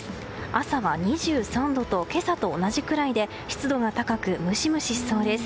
朝は２３度と今朝と同じくらいで湿度が高くムシムシしそうです。